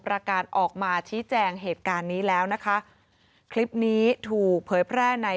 ประกาศออกมาชี้แจงเหตุการณ์นี้แล้วนะคะคลิปนี้ถูกเผยแพร่ใน